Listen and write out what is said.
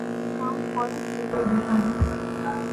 کام فورا شروع کردیتا ہوں